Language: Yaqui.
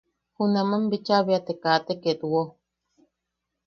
Junaman bicha bea te kate ketwo.